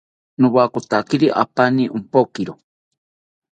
Nowakotakiri apani ompokiro